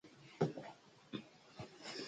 A dret de bosc.